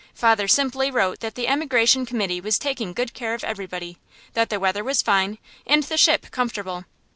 Father simply wrote that the emigration committee was taking good care of everybody, that the weather was fine, and the ship comfortable.